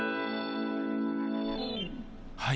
はい。